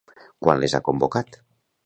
Quan les ha convocat?